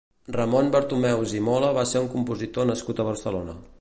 Ramon Bartomeus i Mola va ser un compositor nascut a Barcelona.